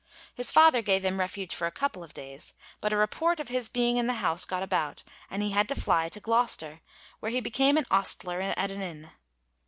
His father gave him refuge for a couple of days, but a report of his being in the house got about, and he had to fly to Gloucester, where he became an ostler at an inn.